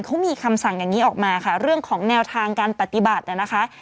เขามีคำสั่งอย่างนี้ออกมาค่ะเรื่องของแนวทางการปฏิบัตินะคะ